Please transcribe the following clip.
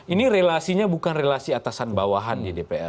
ini relasinya bukan relasi atasan bawahan di dpr